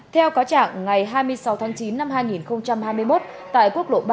theo cáo trạng ngày hai mươi sáu tháng chín năm hai nghìn hai mươi một tại quốc lộ ba